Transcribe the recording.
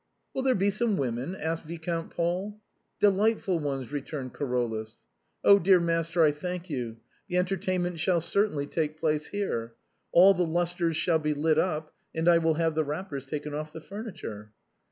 " Will there be some women ?" asked Viscount Paul. " Delightful ones," returned Carolus. " 0, my dear master, I thank you ; the entertainment shall certainly take place here; all the lustres shall be lit up, and I will have the wrappers taken off the furniture."